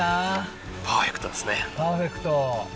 パーフェクト。